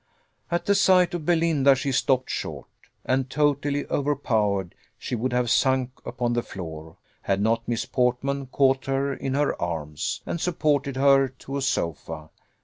At the sight of Belinda she stopped short; and, totally overpowered, she would have sunk upon the floor, had not Miss Portman caught her in her arms, and supported her to a sofa.